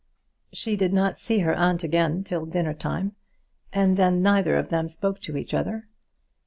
She did not see her aunt again till dinner time, and then neither of them spoke to each other.